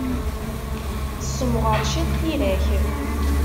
Ssemɣer ciṭ tira-k!